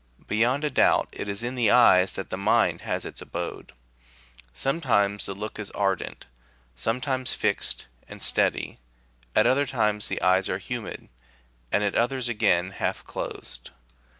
Beyond a doubt it is in the eyes that the mind has its abode : sometimes the look is ardent, sometimes fixed and steady, at other times the eyes are humid, and at others, again, half closed.